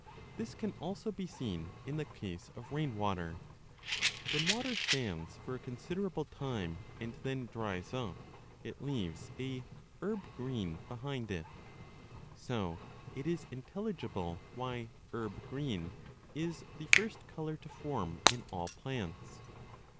This can also be seen in the case of rain water; when water stands for a considerable time and then dries up, it leaves a herb green 25 behind it. So it is intelligible why herb green is the first colour to form in all plants.